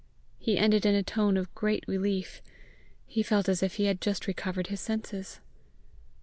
He ended in a tone of great relief: he felt as if he had just recovered his senses.